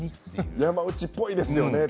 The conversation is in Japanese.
山内っぽいですよね。